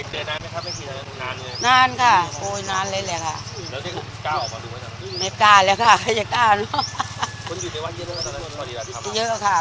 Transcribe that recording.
เจ้านานมั้ยครับไม่คิดว่านานนะ